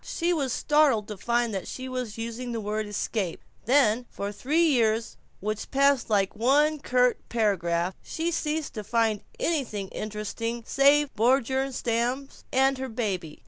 She was startled to find that she was using the word "escape." Then, for three years which passed like one curt paragraph, she ceased to find anything interesting save the Bjornstams and her baby.